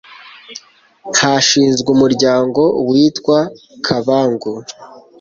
hashinzwe umuryango witwa kabangu